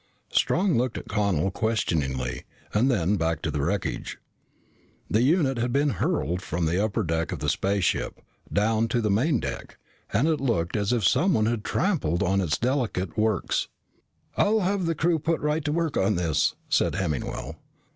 Strong looked at Connel questioningly and then back to the wreckage. The unit had been hurled from the upper deck of the spaceship, down to the main deck, and it looked as if someone had trampled on its delicate works. "I'll have a crew put right to work on this," said Hemmingwell.